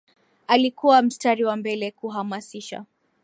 alikuwa mstari wa mbele kuhamasisha